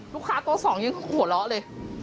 ลูกค้าตัวสองยังหัวเราะเลย